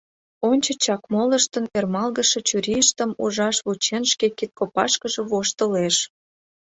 Ончычак молыштын ӧрмалгыше чурийыштым ужаш вучен шке кидкопашкыже воштылеш.